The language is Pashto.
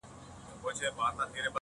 نور به خبري نه کومه، نور به چوپ اوسېږم